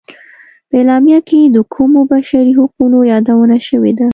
په اعلامیه کې د کومو بشري حقونو یادونه شوې ده.